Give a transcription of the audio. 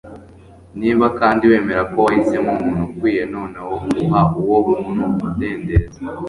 niba kandi wemera ko wahisemo umuntu ukwiye, noneho uha uwo muntu umudendezo